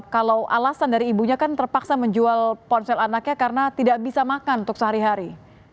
kalau alasan dari ibunya kan terpaksa menjual ponsel anaknya karena tidak bisa makan untuk sehari hari